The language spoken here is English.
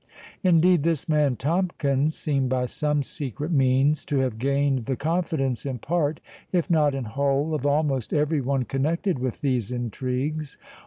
Indeed, this man Tomkins seemed by some secret means to have gained the confidence in part, if not in whole, of almost every one connected with these intrigues.